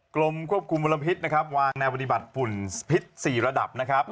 กรมควบคุมมลพิษนะครับวางแนวปฏิบัติฝุ่นพิษ๔ระดับนะครับ